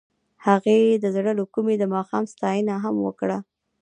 هغې د زړه له کومې د ماښام ستاینه هم وکړه.